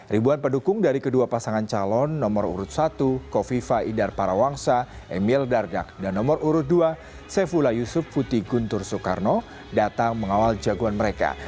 ribuan pendukung dari kedua pasangan calon nomor urut satu kofifa idar parawangsa emil dardak dan nomor urut dua sefula yusuf putih guntur soekarno datang mengawal jagoan mereka